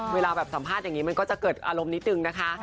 เวลาแบบสัมภาษณ์อย่างนี้มันก็จะเกิดอารมณ์นิดนึงนะคะ